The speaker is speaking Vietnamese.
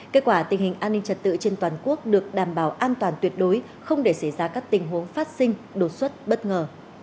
kết quả tình hình an ninh trật tự trên toàn quốc được đảm bảo an toàn tuyệt đối không để xảy ra các tình huống phát sinh đột xuất bất ngờ